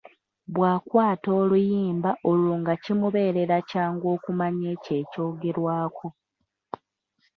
Bw’akwata oluyimba olwo nga kimubeerera kyangu okumanya ekyo ekyogerwako.